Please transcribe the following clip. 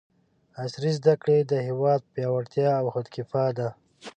عصري زده کړې د هېواد پیاوړتیا او خودکفاء ده!